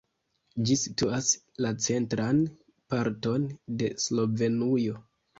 Ĝi situas la centran parton de Slovenujo.